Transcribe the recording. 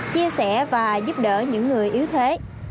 chia sẻ và giúp đỡ những người yếu thế